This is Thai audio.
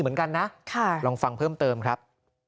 เหมือนกันนะลองฟังเพิ่มเติมครับ